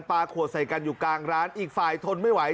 ขวดใส่กันอยู่กลางร้านอีกฝ่ายทนไม่ไหว